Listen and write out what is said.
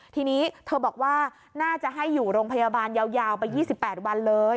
ทีนี้เธอบอกว่าน่าจะให้อยู่โรงพยาบาลยาวไป๒๘วันเลย